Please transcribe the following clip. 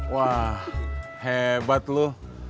wah hebat lo